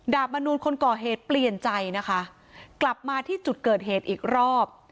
มนูลคนก่อเหตุเปลี่ยนใจนะคะกลับมาที่จุดเกิดเหตุอีกรอบ